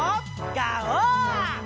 ガオー！